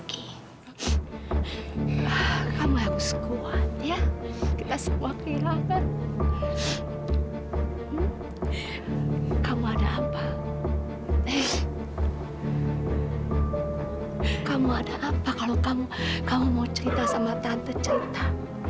kamu ada apa kalau kamu mau cerita sama tante cerita